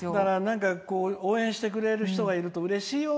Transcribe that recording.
応援してくれる人がいるとうれしいよ。